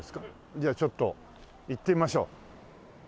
じゃあちょっと行ってみましょう。